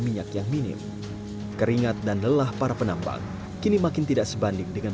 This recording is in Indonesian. minyak yang minim keringat dan lelah para penambang kini makin tidak sebanding dengan